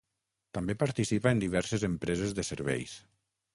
També participa en diverses empreses de serveis.